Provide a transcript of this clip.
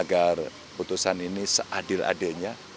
keputusan ini seadil adilnya